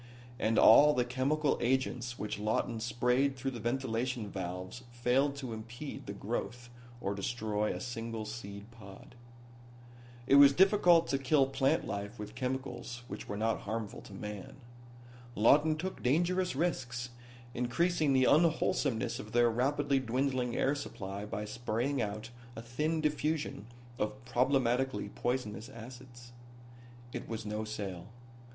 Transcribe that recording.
And all the chemical agents which Lawton sprayed through the ventilation valves failed to impede the growth or destroy a single seed pod. It was difficult to kill plant life with chemicals which were not harmful to man. Lawton took dangerous risks, increasing the unwholesomeness of their rapidly dwindling air supply by spraying out a thin diffusion of problematically poisonous acids. It was no sale.